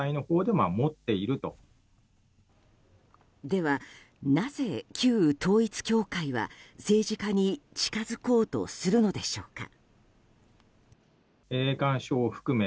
ではなぜ、旧統一教会は政治家に近づこうとするのでしょうか。